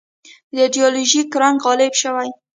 ایدیالوژیک رنګ غالب شوی.